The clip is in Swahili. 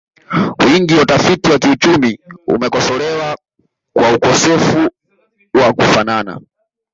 Wingi wa utafiti wa kiuchumi umekosolewa kwa ukosefu wa kufanana